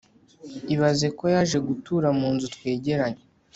ibaze ko yaje gutura mu nzu twegeranye